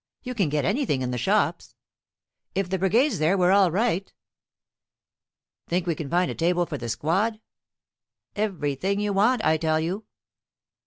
You can get anything in the shops." "If the Brigade's there, we're all right." "Think we can find a table for the squad?" "Everything you want, I tell you."